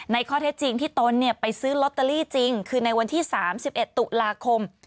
ในข้อเท็จจริงที่ตนไปซื้อลอตเตอรี่จริงคือในวันที่๓๑ตุลาคม